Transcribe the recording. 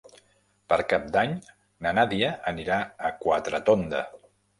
Per Cap d'Any na Nàdia anirà a Quatretonda.